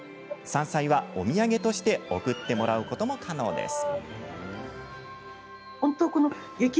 山菜は、お土産として送ってもらうことも可能です。